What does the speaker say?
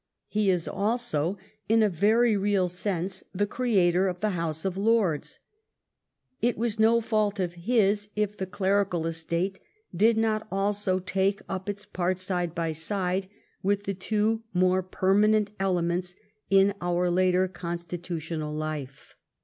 He is also in a very real sense the creator of the House of Lords. It was no fault of his if the clerical estate did not also take up its part side by side with the two more permanent elements in our later constitutional life.